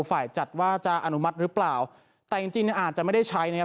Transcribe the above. ฝ่ายจัดว่าจะอนุมัติหรือเปล่าแต่จริงจริงเนี่ยอาจจะไม่ได้ใช้นะครับ